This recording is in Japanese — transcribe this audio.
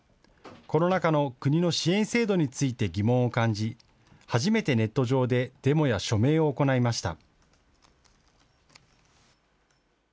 コロナ禍の国の支援制度について疑問を感じ、初めてネット上でデモや署名を行いました。